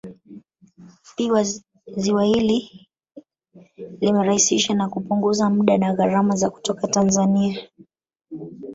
Pia ziwa hili limerahisishsa na kupunguza muda na gharama za kutoka Tanzania